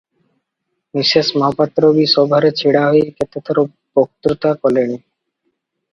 Mrs Mohapatra ବି ସଭାରେ ଛିଡ଼ା ହୋଇ କେତେଥର ବକ୍ତୃତା କଲେଣି ।